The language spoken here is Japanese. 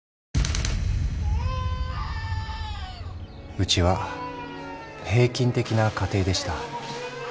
うちは平均的な家庭でした。